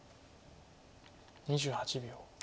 ２８秒。